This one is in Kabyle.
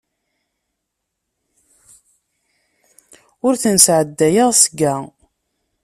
Ur ten-sɛeddayeɣ seg-a.